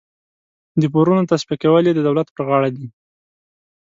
د پورونو تصفیه کول یې د دولت پر غاړه دي.